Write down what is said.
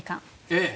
ええ。